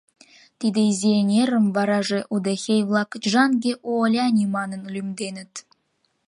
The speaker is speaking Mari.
Тиде изи эҥерым вараже удэхей-влак Чжанге Уоляни манын лӱмденыт.